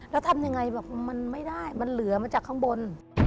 แล้วทำยังไงแบบมันไม่ได้มันเหลือมาจากข้างบน